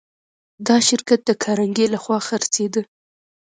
دا شرکت د کارنګي لهخوا خرڅېده